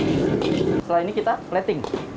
setelah ini kita plating